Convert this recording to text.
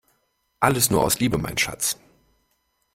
Alles nur aus Liebe, mein Schatz!